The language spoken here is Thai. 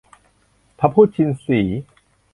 พระพุทธชินสีห์